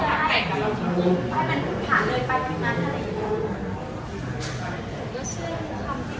เพราะเขาให้มันผ่านเลยไปคิดมาให้